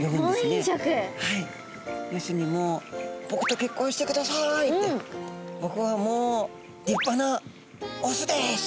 はい要するにもう「僕と結婚してください」って「僕はもう立派なオスです」。